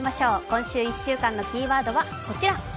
今週１週間のキーワードはこちら。